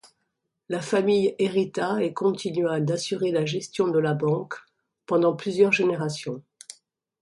La famille hérita et continua d'assurer la gestion de la banque pendant plusieurs générations.